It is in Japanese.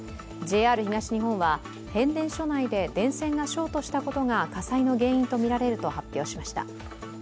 ＪＲ東日本は変電所内で電線がショートしたことが火災の原因とみられると発表しました。